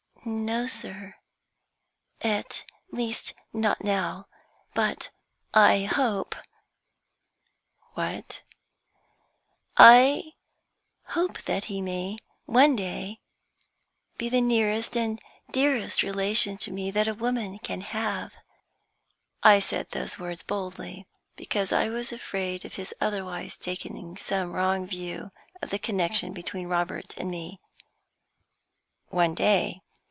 "No, sir at least, not now but I hope " "What?" "I hope that he may, one day, be the nearest and dearest relation to me that a woman can have." I said those words boldly, because I was afraid of his otherwise taking some wrong view of the connection between Robert and me "One day?"